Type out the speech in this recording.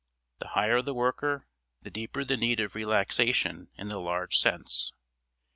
The higher the worker the deeper the need of relaxation in the large sense.